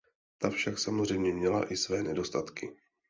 Ta však samozřejmě měla i své nedostatky.